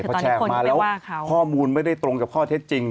พอแชร์ออกมาแล้วข้อมูลไม่ได้ตรงกับข้อเท็จจริง